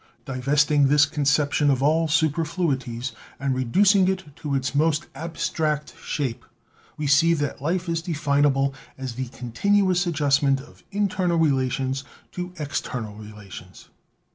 "Divesting this conception of all superfluities and reduc ing it to its most abstract shape, we see that Life is de finable as the continuous adjustment of internal relations to external relations."